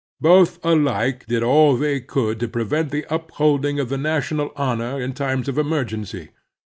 Both alike did all they could to prevent the upholding of the national honor in times of emergency.